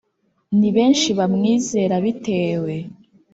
Ndi benshi bamwizera bitewe